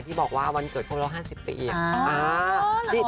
ที่บอกว่าวันเกิดครบแล้ว๕๐ปี